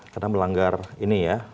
karena melanggar ini ya